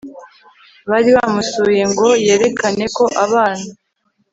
bari bamusuye ngo yerekane ko abana